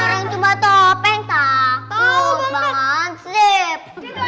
kamu tuh apaan sih